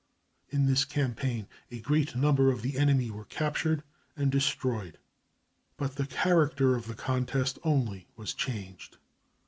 In this campaign a great number of the enemy were captured and destroyed, but the character of the contest only was changed.